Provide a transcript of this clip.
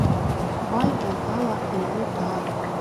Бай булһа ла, өйө тар.